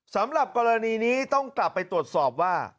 สำหรับกรณีนี้ต้องกลับไปตรวจสอบว่า